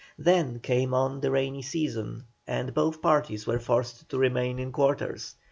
Then came on the rainy season, and both parties were forced to remain in quarters.